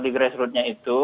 di grassrootnya itu